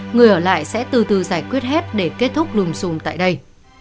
người ở lại sẽ từ từ giải quyết hết để kết thúc lùm xùm tại đây